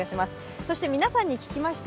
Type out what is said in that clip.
そして皆さんに聞きました。